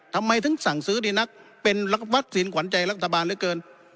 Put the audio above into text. ทำไมถึงสั่งซื้อดีนักเป็นวัคซีนขวัญใจรัฐบาลเหลือเกิน